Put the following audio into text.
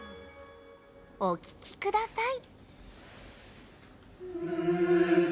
お聴きください。